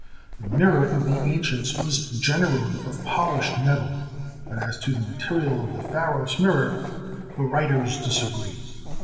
The mirror of the ancients was generally of polished metal, but as to the material of the Pharos mirror the writers disagree.